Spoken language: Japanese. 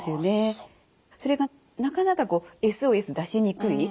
それがなかなかＳＯＳ出しにくい。